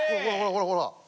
ほらほら。